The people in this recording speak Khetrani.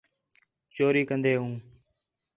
چوری کندے ہوں